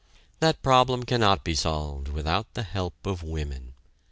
That problem cannot be solved without the help of women.